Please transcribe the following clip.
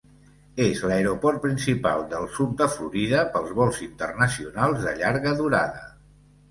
És l'aeroport principal del sud de Florida per vols internacionals de llarga durada.